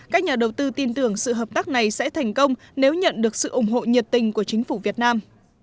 các nhà đầu tư tin tưởng sự hợp tác này sẽ thành công nếu nhận được sự ủng hộ nhiệt tình của chính phủ việt nam